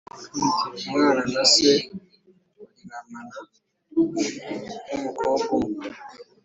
Umwana na se baryamana n umukobwa umwe